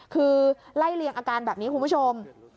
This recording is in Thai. คือไล่เลียงอาการแบบนี้คุณผู้ชม